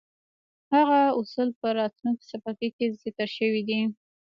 هغه اصل په راتلونکي څپرکي کې ذکر شوی دی.